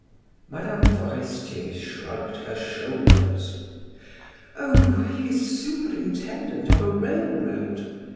Mme. Forestier shrugged her shoulders. "Oh, he is superintendent of a railroad.